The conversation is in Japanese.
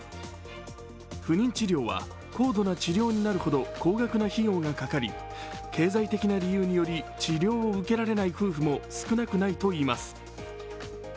不妊治療は高度な治療になるほど高額な費用がかかり経済的な理由により治療を受けられない夫婦も少なくないといいます。